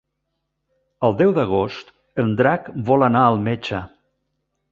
El deu d'agost en Drac vol anar al metge.